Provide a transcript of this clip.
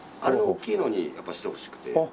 あれの大きいのにやっぱしてほしくて。